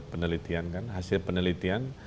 penelitian kan hasil penelitian